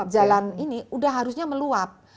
jalan ini udah harusnya meluap